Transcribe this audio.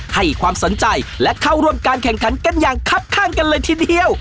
ให้ความสนใจและเข้าร่วมการแข่งขันกันอย่างคับข้างกันเลยทีเดียว